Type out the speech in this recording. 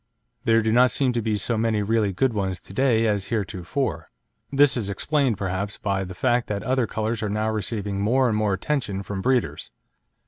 There do not seem to be so many really good ones to day as heretofore; this is explained, perhaps, by the fact that other colours are now receiving more and more attention from breeders.